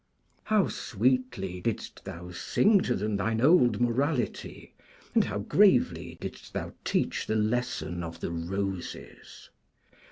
How sweetly didst thou sing to them thine old morality, and how gravely didst thou teach the lesson of the Roses!